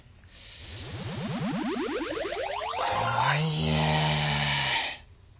とはいえ。